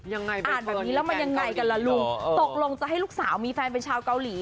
ยังไงอ่านแบบนี้แล้วมันยังไงกันล่ะลูกตกลงจะให้ลูกสาวมีแฟนเป็นชาวเกาหลี